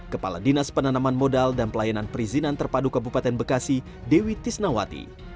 kepala dinas penanaman modal dan pelayanan perizinan terpadu kabupaten bekasi dewi tisnawati